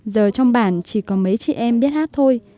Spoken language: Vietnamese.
giờ trong bản chỉ có mấy chị em biết hát thôi